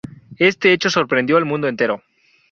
Este hecho sorprendió al mundo entero.